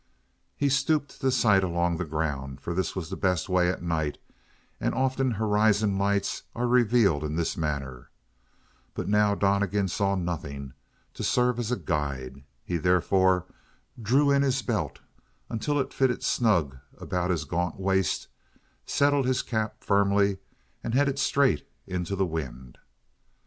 He stooped to sight along the ground, for this is the best way at night and often horizon lights are revealed in this manner. But now Donnegan saw nothing to serve as a guide. He therefore drew in his belt until it fitted snug about his gaunt waist, settled his cap firmly, and headed straight into the wind.